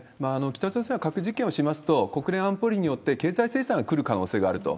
北朝鮮は核実験をしますと、国連安保理によって、経済制裁がくる可能性があると。